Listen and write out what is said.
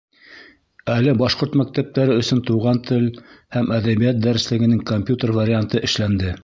Әле башҡорт мәктәптәре өсөн туған тел һәм әҙәбиәт дәреслегенең компьютер варианты эшләнде.